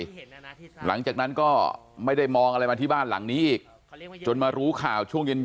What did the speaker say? หลังจากนั้นก็ไม่ได้มองอะไรมาที่บ้านหลังนี้อีกจนมารู้ข่าวช่วงเย็นเย็น